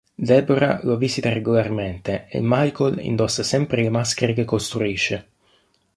Deborah lo visita regolarmente e Michael indossa sempre le maschere che costruisce.